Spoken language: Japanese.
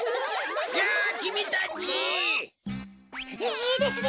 いいですね